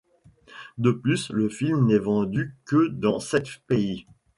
De plus, le film n'est vendu que dans sept pays.